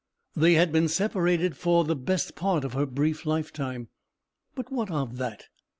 They had been separated for the best part of her brief lifetime; but what of that?